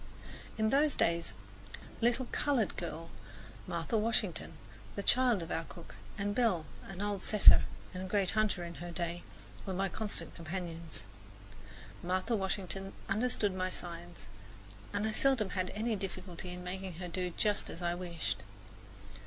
In those days a little coloured girl, Martha Washington, the child of our cook, and Belle, an old setter, and a great hunter in her day, were my constant companions. Martha Washington understood my signs, and I seldom had any difficulty in making her do just as I wished.